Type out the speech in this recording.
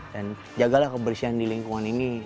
dan jagalah kebersihan di lingkungan ini